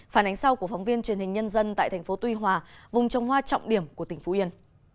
phản ánh sau của phóng viên truyền hình nhân dân tại thành phố tuy hòa vùng trồng hoa trọng điểm của tỉnh phú yên